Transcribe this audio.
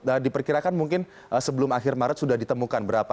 nah diperkirakan mungkin sebelum akhir maret sudah ditemukan berapa